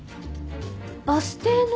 バス停の？